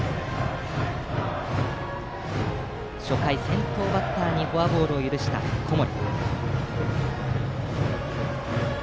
初回、先頭バッターにフォアボールを許した小森。